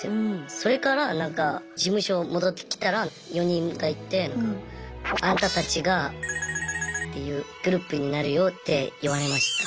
それからなんか事務所戻ってきたら４人がいて「あんたたちがっていうグループになるよ」って言われました。